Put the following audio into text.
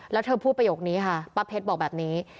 แล้วเธอพูดประโยคนี้ค่ะป้าเพชรบอกแบบนี้